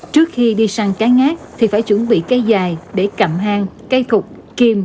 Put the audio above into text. trước khi đi săn cá ngát thì phải chuẩn bị cây dài để cặm hang cây thục kim